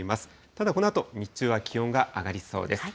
ただ、このあと日中は気温が上がりそうです。